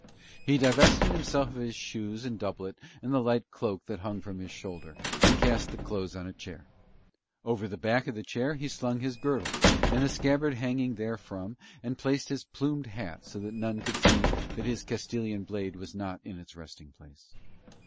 He divested himself of his shoes and doublet and the light cloak that hung from his shoulder and cast the clothes on a chair. Over the back of the chair he slung his girdle and the scabbard hanging therefrom and placed his plumed hat so that none could see that his Castilian blade was not in its resting place.